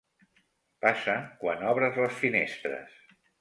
Passa quan obres les finestres.